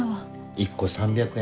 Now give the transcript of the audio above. １個３００円